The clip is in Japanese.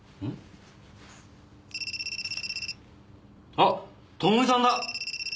あっ朋美さんだ！